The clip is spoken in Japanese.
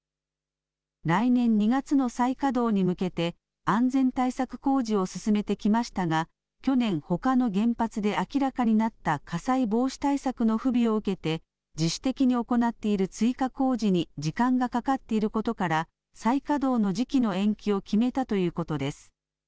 来年２月の再稼働に向けて、安全対策工事を進めてきましたが、去年、ほかの原発で明らかになった火災防止対策の不備を受けて、自主的に行っている追加工事に時間がかかっていることから、再稼働の時期の延期を決めたということです。